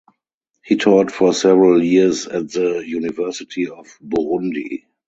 He taught for several years at the University of Burundi.